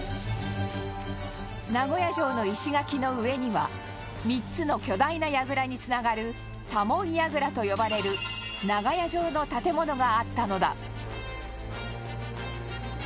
名古屋城の石垣の上には３つの巨大な櫓につながる多聞櫓と呼ばれる長屋状の建物があったのだ